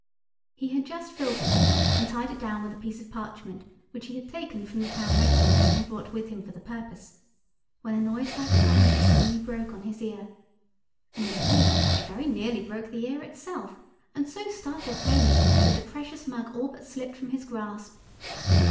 He had just filled the mug and tied it down with a piece of parchment which he had taken from the Town Records and brought with him for the purpose, when a noise like thunder suddenly broke on his ear. And indeed it very nearly broke the ear itself, and so startled Tony that the precious mug all but slipped from his grasp.